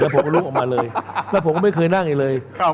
ผมก็ลุกออกมาเลยแล้วผมก็ไม่เคยนั่งอีกเลย